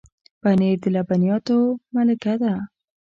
پنېر د لبنیاتو ملکه ده.